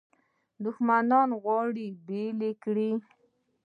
دښمنان غواړي بیل یې کړي.